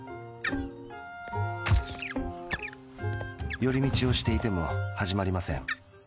寄り道をしていてもはじまりません。